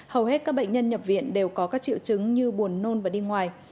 hầu hết các bệnh nhân nhập viện đều có các triệu chứng như buồn nôn và đi ngoài